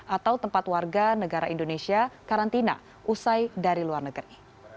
atau tempat warga negara indonesia karantina usai dari luar negeri